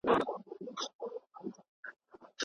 بهرنی سیاست د هیواد د دایمي ثبات تضمین کوي.